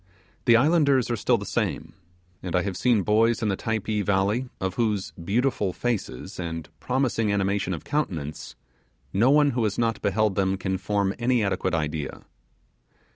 The islanders are still the same; and I have seen boys in the Typee Valley of whose 'beautiful faces' and promising 'animation of countenance' no one who has not beheld them can form any adequate idea.